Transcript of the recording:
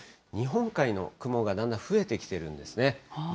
日本海の雲がだんだん増えてきてるんですね。